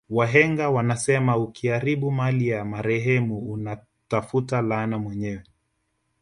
Wahenga wanasema ukiharibu mali ya marehemu una tafuta laana mwenyewe